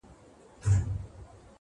هر منزل د نوې موخې زېری راوړي,